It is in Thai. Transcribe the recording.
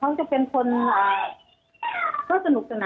อันดับที่สุดท้าย